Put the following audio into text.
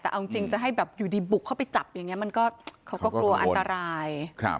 แต่เอาจริงจะให้แบบอยู่ดีบุกเข้าไปจับอย่างนี้มันก็เขาก็กลัวอันตราย